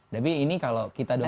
tapi ini kalau kita doakan